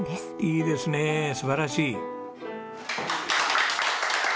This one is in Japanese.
いいですね素晴らしい！